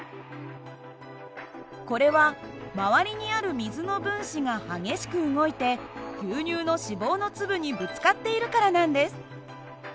これは周りにある水の分子が激しく動いて牛乳の脂肪の粒にぶつかっているからなんです。